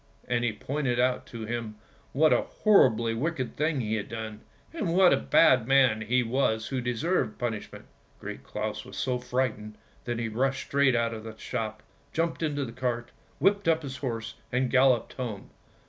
" And he pointed out to him what a horribly wicked thing he had done, and what a bad man he was who deserved punishment. Great Claus was so frightened that he rushed straight out of the shop, jumped into the cart, whipped up his horse and galloped home.